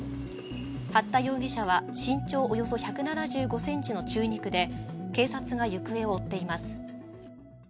八田容疑者は、身長およそ１７５ｃｍの中肉で、警察が行方を追っています。